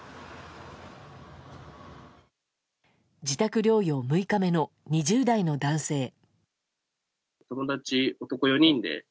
自宅療養６日目の２０代の男性。